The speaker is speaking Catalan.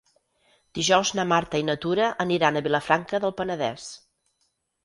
Dijous na Marta i na Tura aniran a Vilafranca del Penedès.